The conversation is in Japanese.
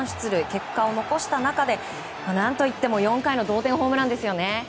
結果を残した中で何といっても４回の同点ホームラン。